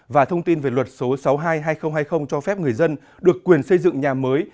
và thông tin về luật số sáu mươi hai hai nghìn hai mươi cho phép người dân được quyền xây dựng nhà mới